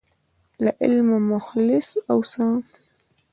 له علمه مخلص اوسه.